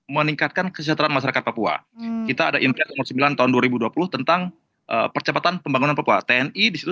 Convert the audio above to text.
melepaskan papua kita ada impe sc sembilan tahun dua ribu dua puluh tentang percepatan pembangunan papua tni di situ